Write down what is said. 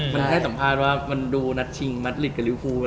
มันให้สัมภาษณ์ว่ามันดูนัดชิงมัดลิดกับลิวฟู